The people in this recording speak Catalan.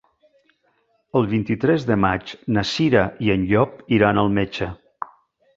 El vint-i-tres de maig na Cira i en Llop iran al metge.